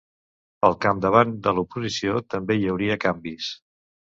Al capdavant de l’oposició també hi hauria canvis.